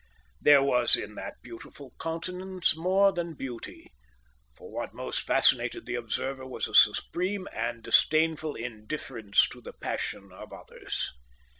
There was in that beautiful countenance more than beauty, for what most fascinated the observer was a supreme and disdainful indifference to the passion of others.